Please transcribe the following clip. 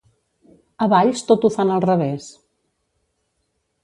A Valls tot ho fan al revés.